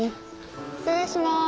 失礼します。